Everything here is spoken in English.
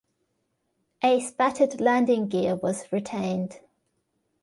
A spatted landing gear was retained.